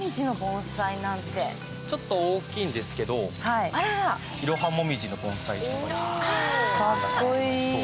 ちょっと大きいんですけど、イロハモミジの盆栽です。